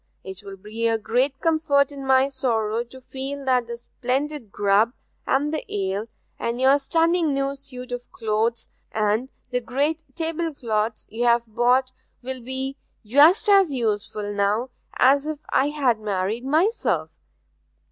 It will be a great comfort in my sorrow to feel that the splendid grub, and the ale, and your stunning new suit of clothes, and the great table cloths you've bought, will be just as useful now as if I had married myself.